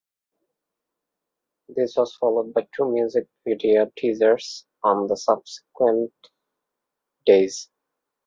This was followed by two music video teasers on the subsequent days.